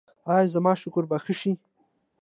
ایا زما شکر به ښه شي؟